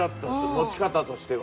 持ち方としては。